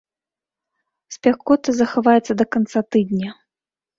Спякота захаваецца да канца тыдня.